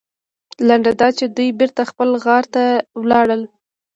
لنډه دا چې دوی بېرته خپل غار ته لاړل.